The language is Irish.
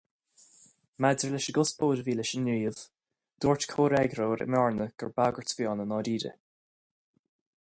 Maidir leis an gcuspóir a bhí leis an ngníomh, dúirt comhfhreagróir i mBearna gur bagairt a bhí ann i ndáríre.